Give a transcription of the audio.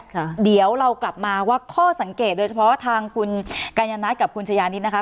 ค่ะเดี๋ยวเรากลับมาว่าข้อสังเกตโดยเฉพาะทางคุณกัญญนัทกับคุณชายานิดนะคะ